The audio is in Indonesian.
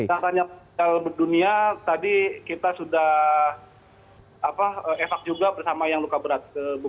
initiatifnya build dunia tadi kita sudah efek bersama yang luka berat